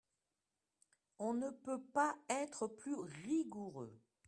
On ne peut pas être plus rigoureux